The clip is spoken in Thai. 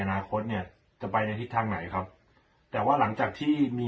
อนาคตเนี่ยจะไปในทิศทางไหนครับแต่ว่าหลังจากที่มี